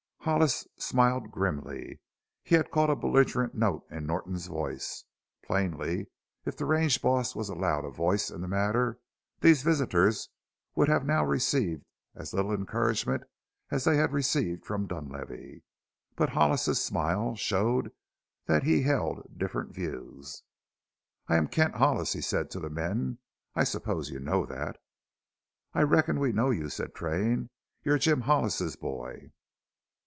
Hollis smiled grimly; he had caught a belligerent note in Norton's voice. Plainly, if the range boss were allowed a voice in the matter, these visitors would have now received as little encouragement as they had received from Dunlavey. But Hollis's smile showed that he held different views. "I am Kent Hollis," he said to the men; "I suppose you know that." "I reckon we know you," said Train; "you're Jim Hollis's boy."